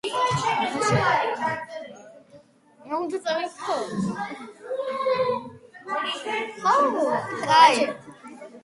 ასევე არსებობს ვერსია სამხრეთ აფრიკის რესპუბლიკის და ისრაელის ერთობლივ გამოცდაზე.